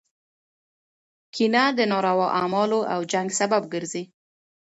کینه د ناروا اعمالو او جنګ سبب ګرځي.